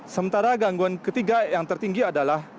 sementara gangguan ketiga yang tertinggi adalah